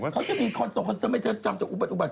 เขาจะมีข้อสมควรทำไมเธอจำจำอุบัติอุบัติ